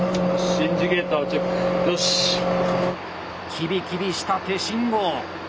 キビキビした手信号。